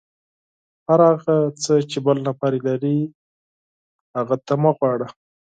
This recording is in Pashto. هر هغه څه چې بل نفر یې لري، هغه ته تقاضا مه کوه.